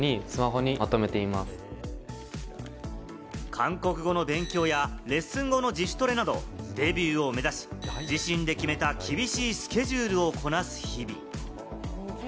韓国語の勉強やレッスン後の自主トレなど、デビューを目指し、自身で決めた厳しいスケジュールをこなす日々。